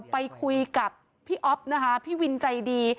ไปคุยกับพี่อ๊อฟนะคะพี่วินใจดี